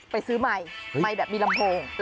ไปซื้อไมค์ไมค์แบบมีลำโพง